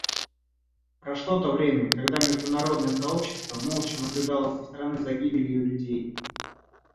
Прошло то время, когда международное сообщество молча наблюдало со стороны за гибелью людей.